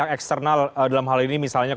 eksternal dalam hal ini misalnya